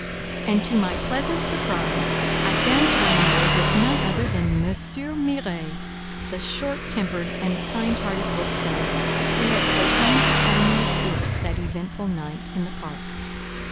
And, to my pleasant surprise, I found the landlord was none other than M. Miret, the short tempered and kind hearted bookseller, who had so kindly found me a seat that eventful night in the park.